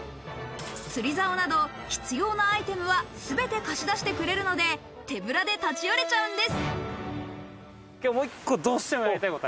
釣り竿など必要なアイテムはすべて貸し出してくれるので、手ぶらで立ち寄れちゃうんです。